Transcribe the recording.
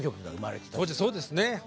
当時そうですね。